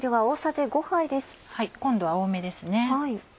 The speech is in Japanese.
今度は多めですね。